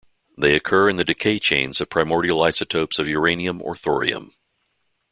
They occur in the decay chains of primordial isotopes of uranium or thorium.